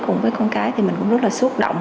cùng với con cái thì mình cũng rất là xúc động